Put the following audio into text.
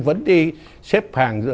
vẫn đi xếp hàng